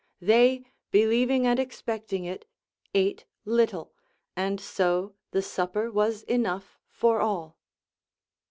They, believing and expecting it, ate little, and so the supper was enough for all.